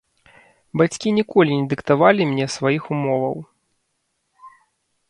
Бацькі ніколі не дыктавалі мне сваіх умоваў.